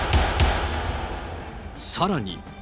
さらに。